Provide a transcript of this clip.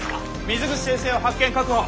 水口先生を発見確保。